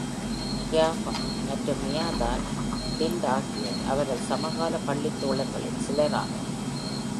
க்யாவ் Aung மற்றும் Mya Than Tint ஆகியோர் அவரது சமகால பள்ளித் தோழர்களில் சிலர் ஆவர்.